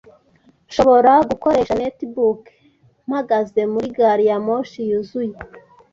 Nshobora gukoresha netbook mpagaze muri gari ya moshi yuzuye?